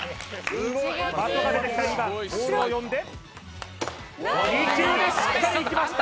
的が出てきた２番ボールをよんで２球目しっかりいきました